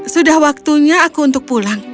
sudah waktunya aku untuk pulang